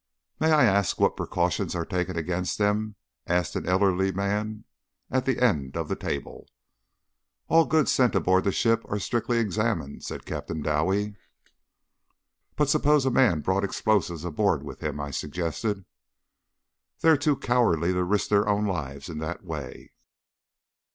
"May I ask what precautions are taken against them?" asked an elderly man at the end of the table. "All goods sent aboard the ship are strictly examined," said Captain Dowie. "But suppose a man brought explosives aboard with him?" I suggested. "They are too cowardly to risk their own lives in that way."